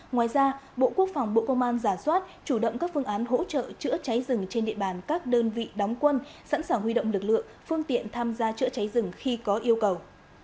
ngoài ra bộ quốc phòng bộ công an giả soát chủ động các phương án hỗ trợ chữa cháy rừng trên địa bàn các đơn vị đóng quân sẵn sàng huy động lực lượng phương tiện tham gia chữa cháy rừng khi có yêu cầu